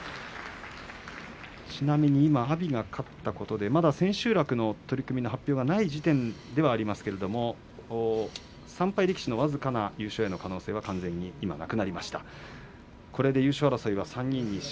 阿炎が勝ったことでまだ千秋楽の発表はない時点ではありますが３敗力士の僅かな優勝の可能性は完全に消えました。